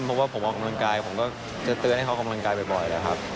เพราะว่าผมออกกำลังกายผมก็จะเตือนให้เขากำลังกายบ่อยแล้วครับ